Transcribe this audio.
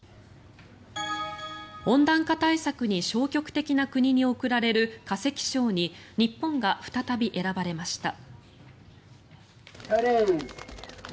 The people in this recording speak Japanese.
温暖化対策に消極的な国に贈られる化石賞に日本が再び選ばれました。